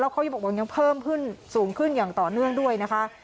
เขายังบอกว่ายังเพิ่มขึ้นสูงขึ้นอย่างต่อเนื่องด้วยนะคะ